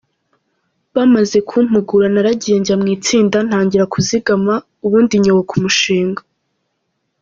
Bamaze kumpugura naragiye njya mu itsinda ntangira kuzigama, ubundi nyoboka umushinga”.